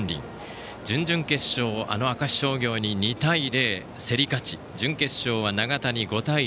準々決勝、あの明石商業に２対０競り勝ち準決勝は長田に５対１。